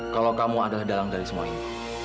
kalau kamu adalah dalang dari semua ini